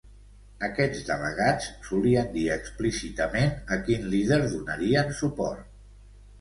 Aquests delegats solien dir explícitament a quin líder donarien suport.